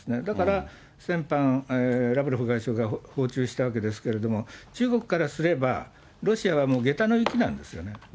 だから先般、ラブロフ外相が訪中したわけですけれども、中国からすれば、ロシアはもう、げたのいきなんですよね。